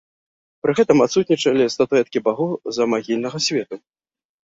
Пры гэтым адсутнічалі статуэткі багоў замагільнага свету.